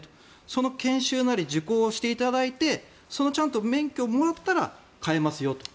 その研修なり受講をしていただいてその免許をもらったら飼えますよと。